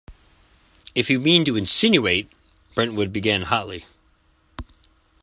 If you mean to insinuate -- Brentwood began hotly.